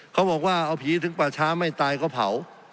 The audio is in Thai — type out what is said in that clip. เขาบอกว่าเอาผีถึงป่าช้าไม่ตายก็เผา